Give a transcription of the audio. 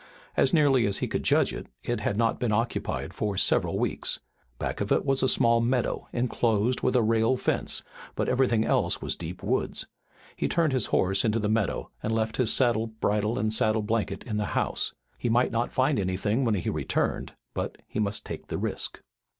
As nearly as he could judge it had not been occupied for several weeks. Back of it was a small meadow enclosed with a rail fence, but everything else was deep woods. He turned his horse into the meadow and left his saddle, bridle and saddle blanket in the house. He might not find anything when he returned, but he must take the risk.